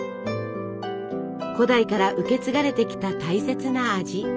古代から受け継がれてきた大切な味。